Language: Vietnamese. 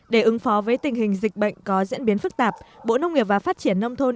để ứng phó với tình hình dịch bệnh có diễn biến phức tạp bộ nông nghiệp và phát triển nông thôn